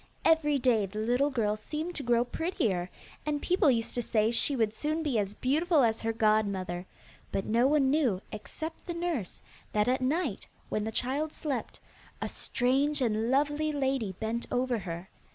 Every day the little girl seemed to grow prettier, and people used to say she would soon be as beautiful as her godmother, but no one knew, except the nurse, that at night, when the child slept, a strange and lovely lady bent over her.